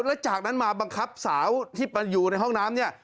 และจากนั้นมาบังคับสาวที่มาอยู่ในห้องน้ำ